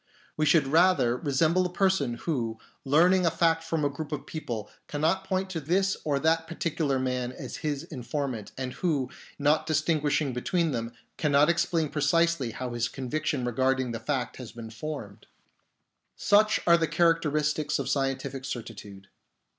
We should rather resemble 1 A miracle ascribed to Muhammed. 56 CONVERGING LINES OF EVIDENCE a person who, learning a fact from a group of people, cannot point to this or that particular man as his informant, and who, not distinguishing between them, cannot explain precisely how his conviction regarding the fact has been formed. Such are the characteristics of scientific certi tude.